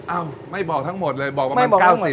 อ้าวไม่บอกทั้งหมดเลยบอกว่ามัน๙๐